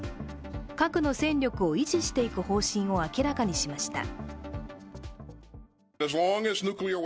核の戦力を維持していく方針を明らかにしました。